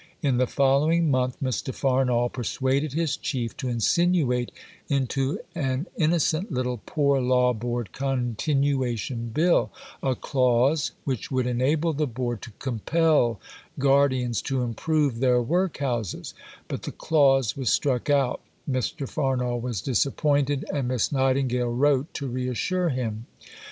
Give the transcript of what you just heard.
In the following month Mr. Farnall persuaded his Chief to insinuate into an innocent little "Poor Law Board Continuation Bill," a clause which would enable the Board to compel Guardians to improve their workhouses; but the clause was struck out, Mr. Farnall was disappointed, and Miss Nightingale wrote to reassure him.